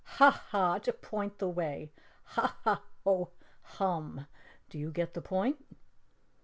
"Ha, Ha! To point the way. Ha, Ha! HOH, HUM! Do you get the point?"